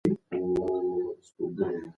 ته له هر چا سره په غوږ کې څه وایې؟